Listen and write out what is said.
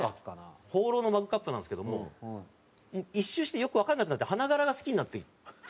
ホーローのマグカップなんですけども一周してよくわからなくなって花柄が好きになって。